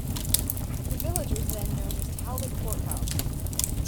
The village was then known as "Talbot Court House".